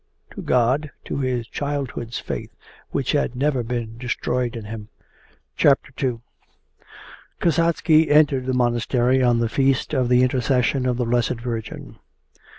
To God, to his childhood's faith which had never been destroyed in him. II Kasatsky entered the monastery on the feast of the Intercession of the Blessed Virgin.